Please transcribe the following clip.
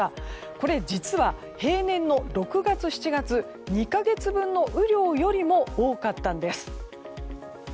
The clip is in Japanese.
これ実は、平年の６月と７月２か月分の雨量よりも多かったんです。